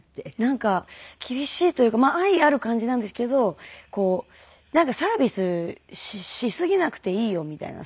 なんか厳しいというか愛がある感じなんですけどサービスしすぎなくていいよみたいな。